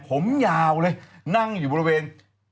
ผมยาวเลยนั่งอยู่บริเวณ